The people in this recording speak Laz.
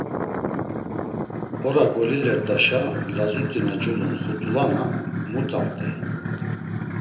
Ora golilert̆aşa lazut̆i na culun xut̆ulana mut̆amt̆ey.